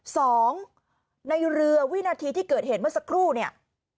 สองในเรือวินาทีที่เกิดเหตุเมื่อสักครู่เนี่ย